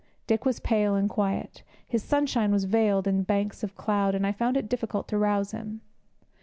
Dick was pale and quiet; his sunshine was veiled in banks of cloud, and I found it difficult to rouse him.